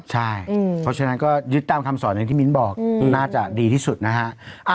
ใช่เพราะฉะนั้นก็ยึดตามคำสอนอย่างที่มิ้นบอกน่าจะดีที่สุดนะฮะ